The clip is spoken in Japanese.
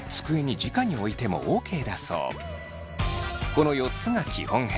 この４つが基本編。